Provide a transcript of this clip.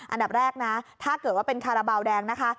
อันดับแรกนะถ้าเกิดว่าเป็นคาราบาลแดงนะคะ